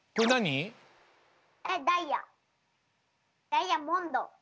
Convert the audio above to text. ダイヤモンド。